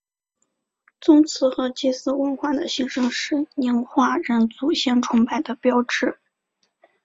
宗祠和祭祀文化的兴盛是宁化人祖先崇拜的标志。